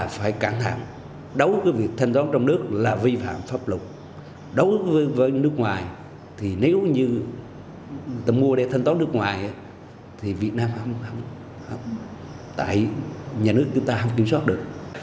phải cãng thẳng đấu với việc thanh toán trong nước là vi phạm pháp lục đấu với nước ngoài thì nếu như ta mua để thanh toán nước ngoài thì việt nam không tại nhà nước chúng ta không kiểm soát được